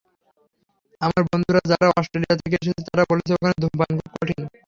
আমার বন্ধুরা যারা অস্ট্রেলিয়া থেকে এসেছে, তারা বলছে ওখানে ধূমপান খুব কঠিন।